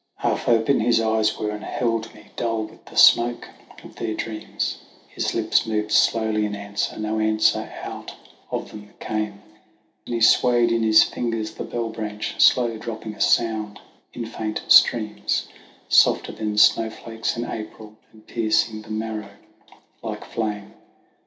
Half open his eyes were, and held me, dull with the smoke of their dreams; His lips moved slowly in answer, no answer out of them came; Then he swayed in his fingers the bell branch, slow dropping a sound in faint streams Softer than snow flakes in April and piercing the marrow like flame.